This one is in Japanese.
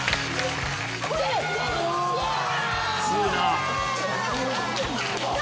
強いな。